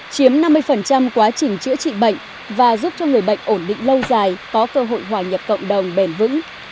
chiếm năm mươi quá trình chữa trị bệnh và giúp cho người bệnh ổn định lâu dài có cơ hội hòa nhập cộng đồng bền vững